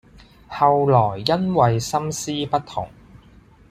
後來因爲心思不同，